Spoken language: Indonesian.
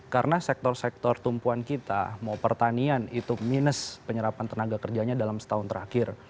karena sektor sektor tumpuan kita mau pertanian itu minus penyerapan tenaga kerjanya dalam setahun terakhir